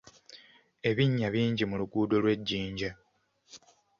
Ebinnya bingi mu luguudo lw'e Jinja.